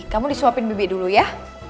kamu disuapin bibi dulu ya